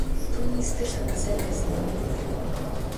Түүний сэтгэл санаа сайн байсан уу?